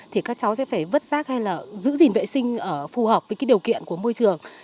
thì các cháu sẽ phải vứt rác hay là giữ gìn vệ sinh ở phù hợp với cái điều kiện của môi trường